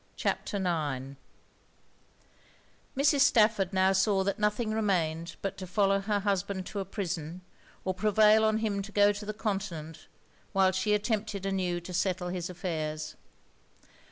CHAPTER IX Mrs. Stafford now saw that nothing remained but to follow her husband to a prison, or prevail on him to go to the Continent while she attempted anew to settle his affairs.